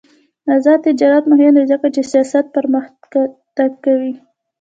آزاد تجارت مهم دی ځکه چې سیاحت پرمختګ کوي.